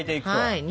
はい。